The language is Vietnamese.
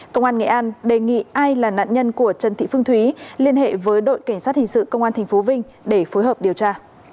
công an nghệ an đề nghị ai là nạn nhân của trần thị phương thúy liên hệ với đội cảnh sát hình sự công an tp vinh để phối hợp điều tra